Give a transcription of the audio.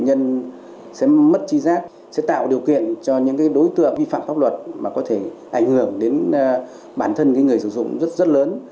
thuốc kích dục cho những đối tượng vi phạm pháp luật mà có thể ảnh hưởng đến bản thân người sử dụng rất lớn